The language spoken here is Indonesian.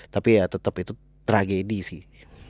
tapi ya tetap itu tragedi sih